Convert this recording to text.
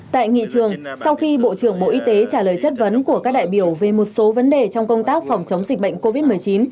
tại nghị trường sau khi bộ trưởng bộ y tế trả lời chất vấn của các đại biểu về một số vấn đề trong công tác phòng chống dịch bệnh covid một mươi chín